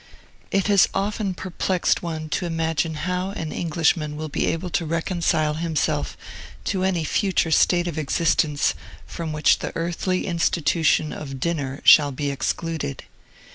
It has often perplexed one to imagine how an Englishman will be able to reconcile himself to any future state of existence from which the earthly institution of dinner shall be excluded.